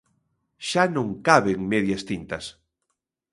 Xa non caben medias tintas.